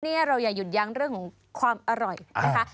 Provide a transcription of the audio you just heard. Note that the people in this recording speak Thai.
นี่เราอย่าหยุดยั้งเรื่องของความอร่อยนะคะ